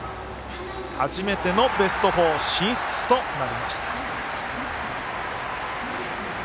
初めてのベスト４進出となりました。